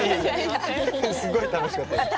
すごい楽しかったです。